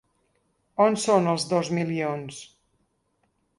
On són els dos milions?